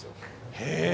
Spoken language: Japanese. へえ。